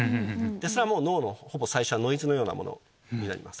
それはもう脳のほぼ最初はノイズのようなものになります。